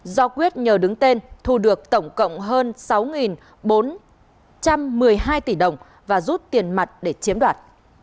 do quyết nhờ đứng tên thu được tổng cộng hơn sáu trăm một mươi hai tỷ đồng và rút tiền mặt để chiếm đoạt